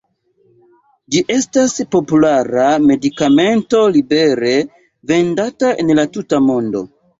Ĝi estas populara medikamento libere vendata en la tuta mondo.